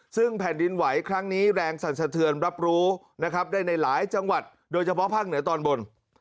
ซึ่งแผ่นดินไหวครั้งนี้แรงสั่นสะเทือนรับรู้นะครับได้ในหลายจังหวัดโดยเฉพาะภาคเหนือตอนบน